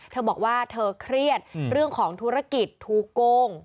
เธอบอกว่าเธอเครียดเรื่องของธุรกิจถูกโกง